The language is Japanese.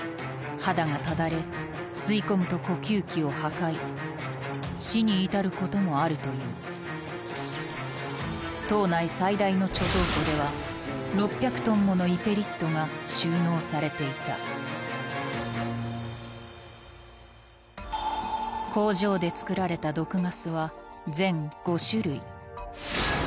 肌がただれ吸い込むと呼吸器を破壊死に至ることもあるという島内最大の貯蔵庫では６００ｔものイペリットが収納されていた工場で作られたそこで。